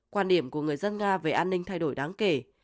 quan điểm của người dân nga về an ninh thay đổi đáng kể